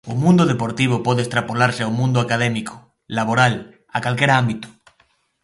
O mundo deportivo pode extrapolarse ao mundo académico, laboral, a calquera ámbito.